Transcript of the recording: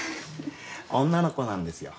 女の子なんですよ。